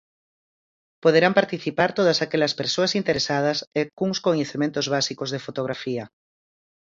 Poderán participar todas aquelas persoas interesadas e cuns coñecementos básicos de fotografía.